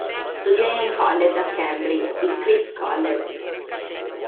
Studiò in un college a Cambridge, il Christ's College.